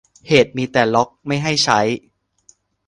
เหตุมีแต่ล็อคไม่ให้ใช้